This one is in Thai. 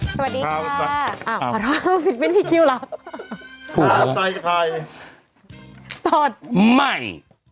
สวัสดีค่ะอ้าวขอโทษเป็นพี่คิวเหรออ้าวใส่ไข่ถอดไม่